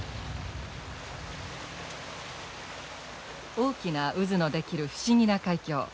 大きな渦の出来る不思議な海峡。